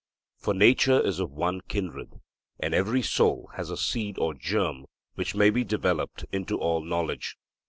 For nature is of one kindred; and every soul has a seed or germ which may be developed into all knowledge.